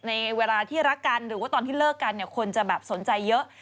ในเวลาที่รักกันหรือว่าตอนที่เลิกกันคุณจะสนใจเยอะ